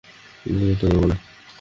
সেটা করব না।